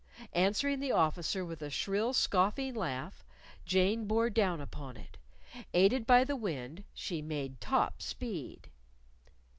Answering the Officer with a shrill, scoffing laugh, Jane bore down upon it. Aided by the wind, she made top speed.